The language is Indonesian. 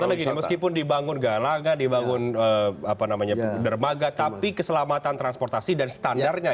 jadi maksudnya lagi meskipun dibangun galangan dibangun dermaga tapi keselamatan transportasi dan standarnya